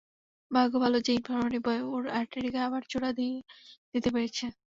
ভাগ্য ভালো যে, ইনফার্মারি বয় ওর আর্টারিকে আবার জোড়া দিয়ে দিতে পেরেছে।